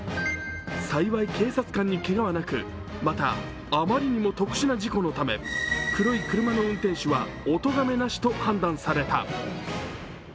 幸い、警察官にけがはなくまた、あまりにも特殊な事故のため黒い車の運転手はおとがめなしと判断された。